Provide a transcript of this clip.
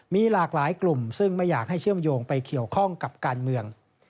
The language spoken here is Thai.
มีหลากหลายกลุ่มซึ่งไม่อยากให้เชื่อมโยงไปเกี่ยวข้องกับการเมือง